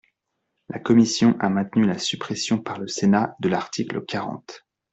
La commission a maintenu la suppression par le Sénat de l’article quarante.